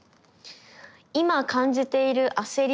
「いま感じている焦り